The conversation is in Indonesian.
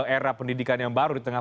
era pendidikan yang baru di tengah